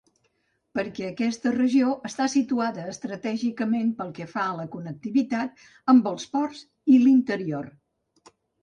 Perquè aquesta regió està situada estratègicament pel que fa a la connectivitat amb els ports i l'interior.